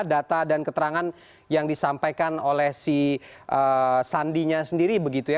data dan keterangan yang disampaikan oleh si sandinya sendiri begitu ya